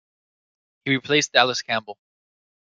He replaced Dallas Campbell.